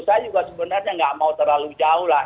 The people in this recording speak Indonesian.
saya juga sebenarnya nggak mau terlalu jauh lah